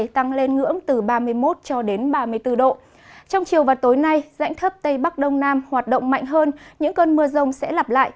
trong chiều và tối nay dãnh thấp tây bắc đông nam hoạt động mạnh hơn những cơn mưa rông sẽ lặp lại